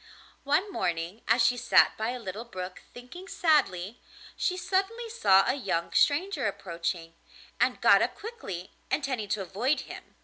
One morning as she sat by a little brook, thinking sadly, she suddenly saw a young stranger approaching, and got up quickly, intending to avoid him.